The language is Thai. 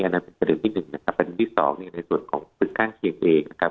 อันนั้นเป็นประเด็นที่หนึ่งนะครับประเด็นที่สองในส่วนของตึกข้างเคียงเองนะครับ